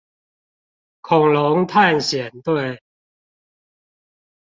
恐龍探險隊